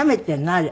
あれ。